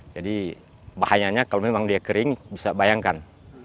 bahayanya kalau memang dia kering bisa bayangkan